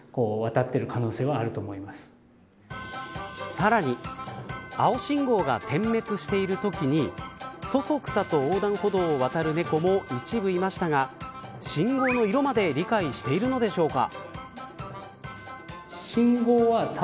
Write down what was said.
さらに青信号が点滅しているときにそそくさと横断歩道を渡る猫も一部いましたが信号の色まで理解しているのでしょうか。